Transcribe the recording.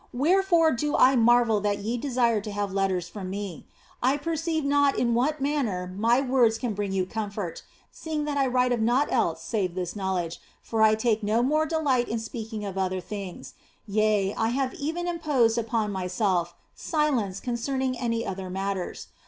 Wherefore do I marvel that ye desire to have letters from me ; I perceive not in what manner my words can bring you comfort, seeing that I write of naught else save of this knowledge, for I take no more delight in speaking of other things yea, I have even imposed upon myself silence concerning any other matters.